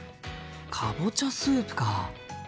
かぼちゃスープか。